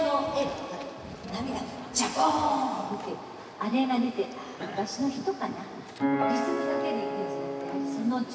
あれが出て昔の人かな。